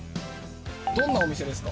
どんなお店ですか？